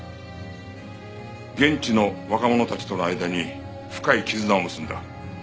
現地の若者たちとの間に深い絆を結んだ。